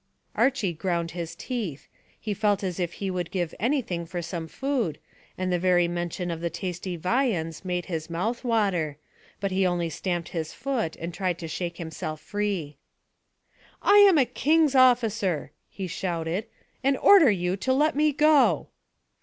Archy ground his teeth: he felt as if he would give anything for some food, and the very mention of the tasty viands made his mouth water, but he only stamped his foot and tried to shake himself free. "I am a king's officer," he shouted, "and order you to let me go!"